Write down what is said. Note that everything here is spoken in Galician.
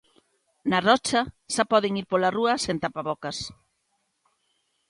Na Rocha xa poden ir pola rúa sen tapabocas.